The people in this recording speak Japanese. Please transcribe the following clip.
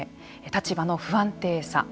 立場の不安定さ。